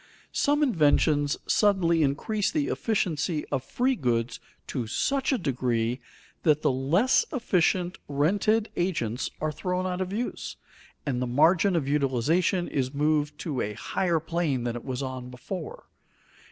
Some inventions suddenly increase the efficiency of free goods to such a degree that the less efficient rented agents are thrown out of use, and the margin of utilization is moved to a higher plane than it was on before.